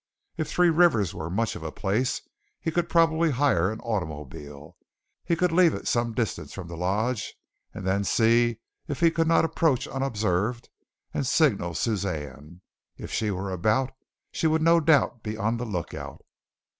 If Three Rivers were much of a place, he could probably hire an automobile. He could leave it some distance from the lodge and then see if he could not approach unobserved and signal Suzanne. If she were about, she would no doubt be on the lookout.